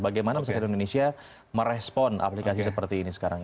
bagaimana masyarakat indonesia merespon aplikasi seperti ini sekarang